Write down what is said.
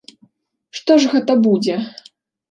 Што ж гэта будзе?